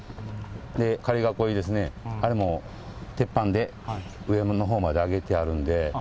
仮囲いですね、あれも鉄板で上のほうまで上げてあるんで。